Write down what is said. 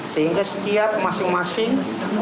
sehingga setiap masing masing